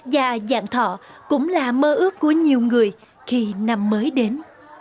và dạng thọ cũng là mơ ước của nhiều người khi năm mới đến